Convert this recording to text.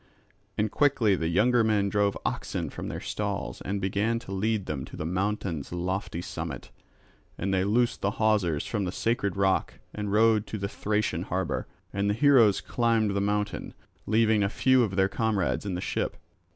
And quickly the younger men drove oxen from their stalls and began to lead them to the mountain's lofty summit. And they loosed the hawsers from the sacred rock and rowed to the Thracian harbour; and the heroes climbed the mountain, leaving a few of their comrades in the ship.